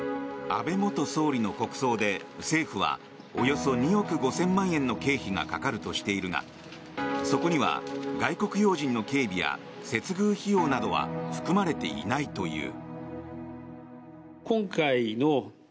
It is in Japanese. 安倍元総理の国葬で政府はおよそ２憶５０００万円の経費がかかるとしているがそこには外国要人の警備や接遇費用などは含まれていないという。